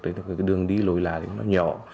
thì cái đường đi lối lại nó nhỏ